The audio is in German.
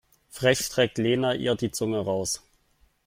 Frech streckt Lena ihr die Zunge raus.